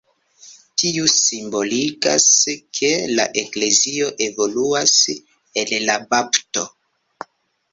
Tiu simboligas, ke la eklezio evoluas el la bapto.